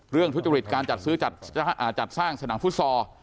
เรื่องทุจริตการจัดเอาสรรค์ภูสอ